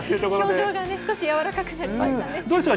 表情がやわらかくなりましたね。